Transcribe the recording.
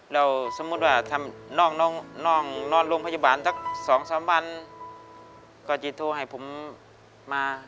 แล้วสมมุติว่าถ้าน้องนอนโรงพยาบาลสัก๒๓วันก็จะโทรให้ผมมา